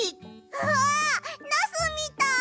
うわナスみたい！